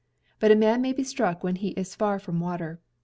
But a man may be struck when he is far from water.